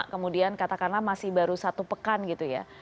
kemudian katakanlah masih baru satu pekan gitu ya